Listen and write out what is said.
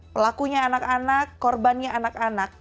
pelakunya anak anak korbannya anak anak